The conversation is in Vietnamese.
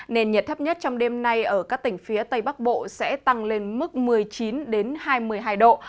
nền nhiệt thấp nhất trong đêm nay ở các tỉnh phía tây bắc bộ sẽ tăng lên mức một mươi chín hai mươi hai độ